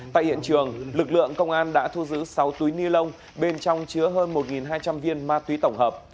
tại hiện trường lực lượng công an đã thu giữ sáu túi ni lông bên trong chứa hơn một hai trăm linh viên ma túy tổng hợp